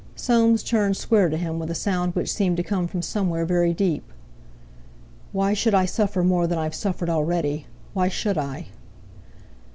Soames turned square to him, with a sound which seemed to come from somewhere very deep. "Why should I suffer more than I've suffered already? Why should I?"